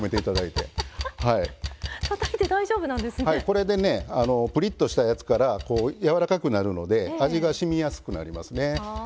これでねプリッとしたやつから柔らかくなるので味がしみやすくなりますね。